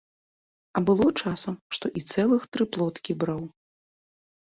А было часам, што і цэлых тры плоткі браў.